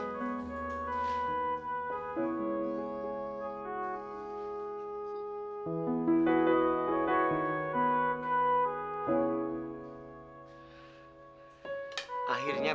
nanti juga tarik pregunt'lah